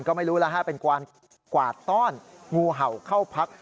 ก็ไม่รู้แล้วฮะเป็นกวาดต้อนงูเห่าเข้าพัก